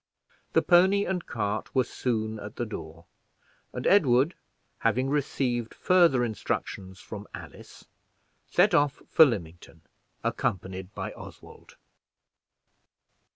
The pony and cart were soon at the door, and Edward having received further instructions from Alice, set off for Lymington, accompanied by Oswald.